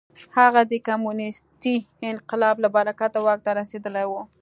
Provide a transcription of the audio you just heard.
هغه د کمونېستي انقلاب له برکته واک ته رسېدلی و.